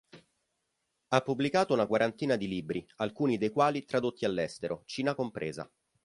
Ha pubblicato una quarantina di libri, alcuni dei quali tradotti all'estero, Cina compresa.